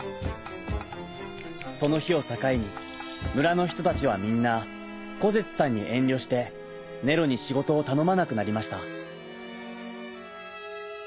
そのひをさかいにむらのひとたちはみんなコゼツさんにえんりょしてネロにしごとをたのまなくなりました。